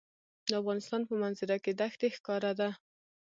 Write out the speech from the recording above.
د افغانستان په منظره کې دښتې ښکاره ده.